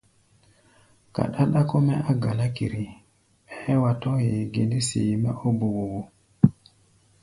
Ka ɗáɗá kɔ́-mɛ́ á ganá kere, bɛɛ́ wa tɔ̧́ hee ge ndé, see-mɛ́ ɔ́ bobobo.